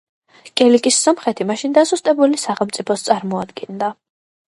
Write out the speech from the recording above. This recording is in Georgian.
კილიკიის სომხეთი მაშინ დასუსტებულ სახელმწიფოს წარმოადგენდა.